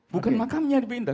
bukan makamnya yang dipindah